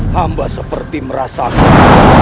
hamba seperti merasakan